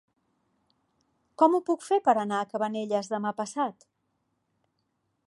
Com ho puc fer per anar a Cabanelles demà passat?